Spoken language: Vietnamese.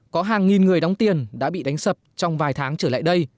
có hàng nghìn người đóng tiền đã bị đánh sập trong vài tháng trở lại đây